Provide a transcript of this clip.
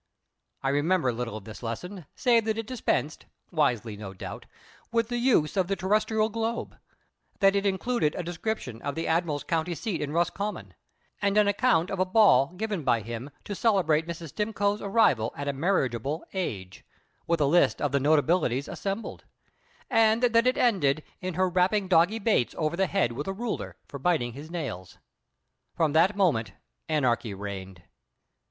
I remember little of this lesson save that it dispensed wisely, no doubt with the use of the terrestrial globe; that it included a description of the admiral's country seat in Roscommon, and an account of a ball given by him to celebrate Mrs. Stimcoe's arrival at a marriageable age, with a list of the notabilities assembled; and that it ended in her rapping Doggy Bates over the head with a ruler, for biting his nails. From that moment anarchy reigned.